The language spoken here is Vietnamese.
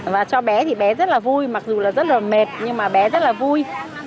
và cho bé thì bé rất là vui mặc dù là rất là mệt nhưng mà bé rất là vui